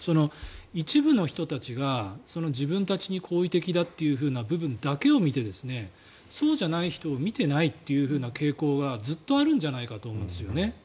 一部の人たちが自分たちに好意的だという部分だけを見てそうじゃない人を見ていないという傾向がずっとあるんじゃないかと思うんですよね。